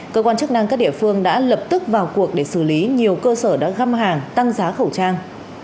cơ quan chức năng các địa phương đã lập tức vào cuộc để xử lý nhiều cơ sở đã găm hàng tăng giá khẩu trang